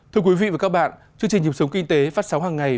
thưa quý vị và các bạn chương trình dịp sống kinh tế phát sóng hằng ngày